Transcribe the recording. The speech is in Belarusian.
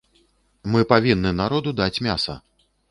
Мы павінны народу даць мяса!